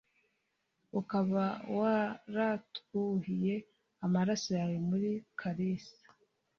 Ukaba waratwuhiye amaraso yawe muri karisa